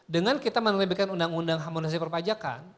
dengan kita menerbitkan undang undang hamunasi perpajakan